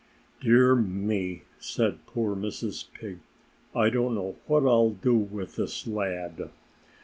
"Dear me!" said poor Mrs. Pig. "I don't know what I'll do with this lad."